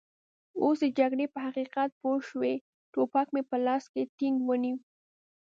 اوس د جګړې په حقیقت پوه شوي، ټوپک مې په لاس کې ټینګ ونیو.